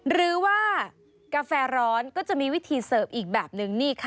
หรือว่ากาแฟร้อนก็จะมีวิธีเสิร์ฟอีกแบบนึงนี่ค่ะ